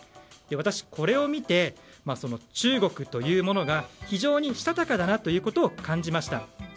私、これを見て中国というものが非常にしたたかだなと感じました。